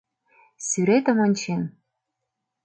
Сӱретым ончен